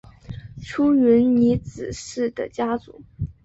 出云尼子氏的家祖。